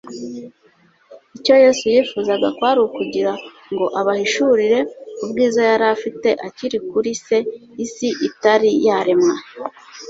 Icyo Yesu yifuzaga kwari ukugira ngo abahishurire ubwiza yari afite akiri kuri Se isi itari yaremwa;